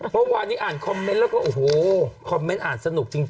เมื่อวานนี้อ่านคอมเมนต์แล้วก็โอ้โหคอมเมนต์อ่านสนุกจริง